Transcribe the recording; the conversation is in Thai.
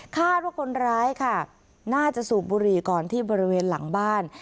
คาดว่าคนร้ายค่ะน่าจะสูบบุหรี่ก่อนที่บริเวณหลังบ้าน